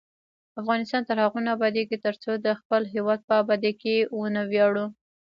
افغانستان تر هغو نه ابادیږي، ترڅو د خپل هیواد په ابادۍ ونه ویاړو.